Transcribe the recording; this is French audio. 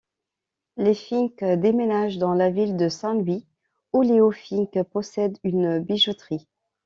Les Fink déménagent dans la ville de Saint-Louis, où Leo Fink possède une bijouterie.